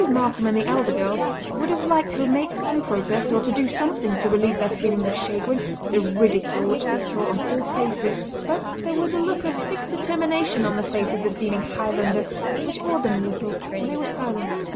Markam and the elder girls would have liked to make some protest or to do something to relieve their feelings of chagrin at the ridicule which they saw on all faces, but there was a look of fixed determination on the face of the seeming Highlander which awed them a little, and they were silent.